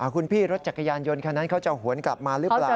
คุณพี่รถจักรยานยนต์คันนั้นเขาจะหวนกลับมาหรือเปล่า